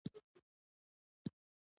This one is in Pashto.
سیول انجینران په اوو برخو کې تخصص کوي.